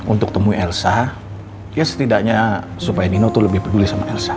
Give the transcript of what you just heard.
untuk temui elsa ya setidaknya supaya nino tuh lebih peduli sama elsa